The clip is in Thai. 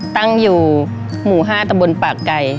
ตั้งอยู่หมู่๕ตะบนปากไก่